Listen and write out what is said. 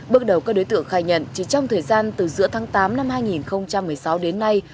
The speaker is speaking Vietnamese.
bước đầu các đối tượng khai nhận chỉ trong thời gian từ giữa tháng tám năm hai nghìn một mươi sáu đến nay